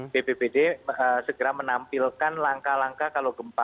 bppd segera menampilkan langkah langkah kalau gempa